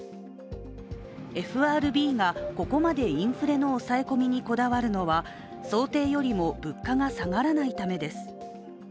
ＦＲＢがここまでインフレの抑え込みにこだわるのは想定よりも物価が下がらないためです。